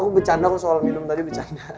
aku bercanda soal minum tadi bercanda